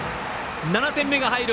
７点目が入る。